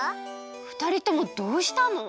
ふたりともどうしたの？